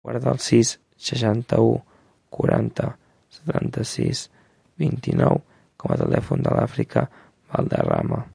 Guarda el sis, seixanta-u, quaranta, setanta-sis, vint-i-nou com a telèfon de l'Àfrica Valderrama.